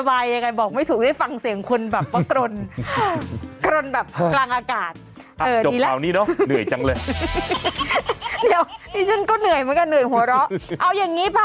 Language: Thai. อ้าวไปดูหน่อยเป็นไงเขาต้มแม่เป็นไงเป็นไงแม่ถามเนี่ย